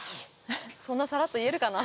そんなサラッと言えるかな？